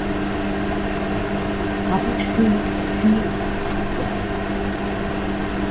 Have you seen the seals yet?